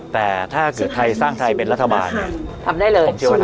แต่ถ้าสร้างไทยลต์ราคาร